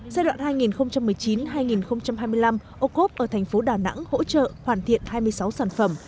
giai đoạn hai nghìn một mươi chín hai nghìn hai mươi năm ô cốp ở thành phố đà nẵng hỗ trợ hoàn thiện hai mươi sáu sản phẩm